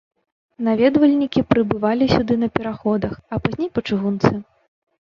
Наведвальнікі прыбывалі сюды на параходах, а пазней па чыгунцы.